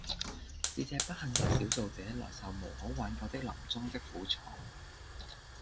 使這不幸的少數者來受無可挽救的臨終的苦楚，